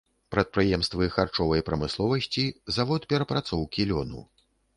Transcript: Прадпрыемствы харчовай прамысловасці, завод перапрацоўкі лёну.